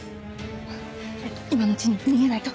今のうちに逃げないと！